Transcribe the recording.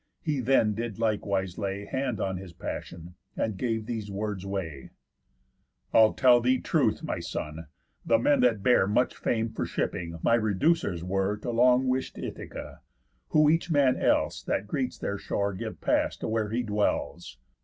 He then did likewise lay Hand on his passion, and gave these words way: "I'll tell thee truth, my son: The men that bear Much fame for shipping, my reducers were To long wish'd Ithaca, who each man else That greets their shore give pass to where he dwells.